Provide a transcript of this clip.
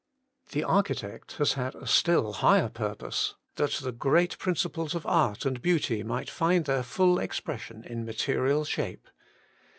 The architect has had a still higher purpose — that the great principles of art and beauty might find their full ex pression in material shape.